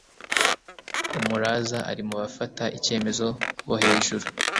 umuraza ari mubafata icyemezo bo hejuru